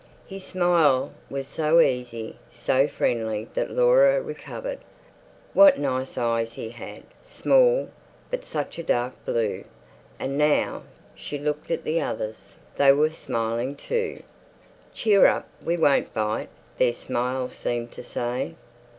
His smile was so easy, so friendly that Laura recovered. What nice eyes he had, small, but such a dark blue! And now she looked at the others, they were smiling too. "Cheer up, we won't bite," their smile seemed to say.